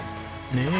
ねえ。